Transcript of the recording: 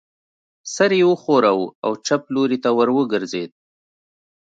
سر یې و ښوراوه او چپ لوري ته ور وګرځېد.